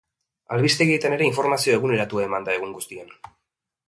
Albistegietan ere informazio eguneratua eman da egun guztian.